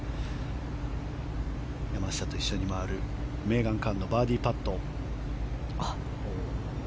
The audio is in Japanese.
山下と一緒に回るメーガン・カンのバーディーパットでした。